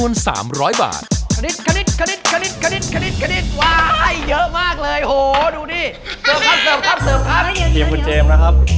ไว้เยอะมากเลยโอ้โห